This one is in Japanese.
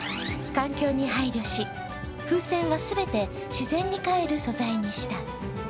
環境に配慮し、風船は全て自然にかえる素材にした。